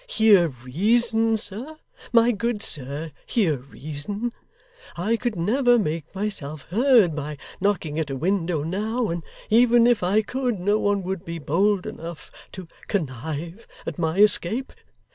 Hear reason, sir. My good sir, hear reason. I could never make myself heard by knocking at a window now; and even if I could, no one would be bold enough to connive at my escape.